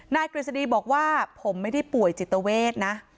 กฤษฎีบอกว่าผมไม่ได้ป่วยจิตเวทนะ